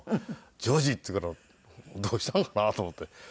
「譲二！」って言うからどうしたんかな？と思って。